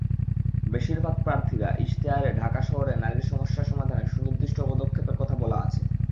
বেশিরভাগ প্রার্থীর ইশতেহারে ঢাকা শহরে নারীর সমস্যা সমাধানে সুনির্দিষ্ট পদক্ষেপের কথা বলা আছে।